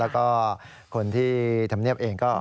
แล้วก็คนที่ทำเนียบเองก็